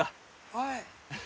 はい。